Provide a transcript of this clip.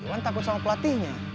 cuman takut sama pelatihnya